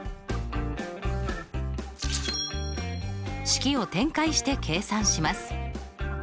式を展開して計算します。